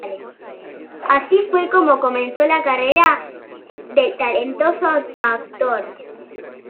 Así fue como comenzó la carrera del talentoso actor.